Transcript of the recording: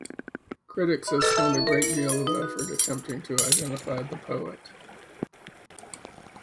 Critics have spent a great deal of effort attempting to identify the Poet.